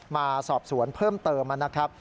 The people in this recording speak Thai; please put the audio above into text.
มาสอบสวนเพิ่มเติมนะครับ